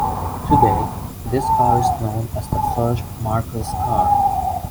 Today, this car is known as "the first Marcus car".